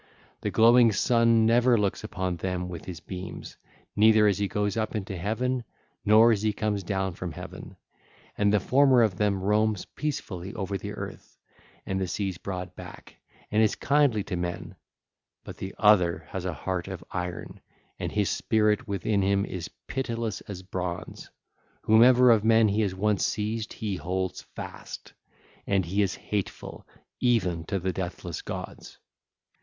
The glowing Sun never looks upon them with his beams, neither as he goes up into heaven, nor as he comes down from heaven. And the former of them roams peacefully over the earth and the sea's broad back and is kindly to men; but the other has a heart of iron, and his spirit within him is pitiless as bronze: whomsoever of men he has once seized he holds fast: and he is hateful even to the deathless gods.